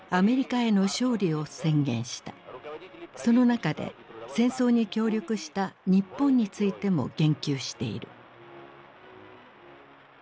その中で戦争に協力した日本についても言及している。